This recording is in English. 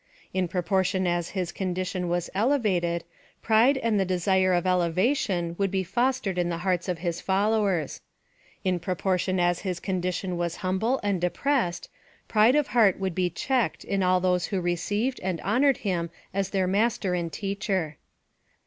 In proportion as his condition was elevated, pride and the desire of elevation would be fostered in the hearts of his followers. In proportion as his ccndi liDn was humble and depressed, pride of hearl PLAN OF SALVATION. 131 would 1 e checked in all those who received and honored him as their master and teacher.